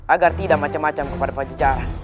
agar tidak macam macam kepada pancenjaran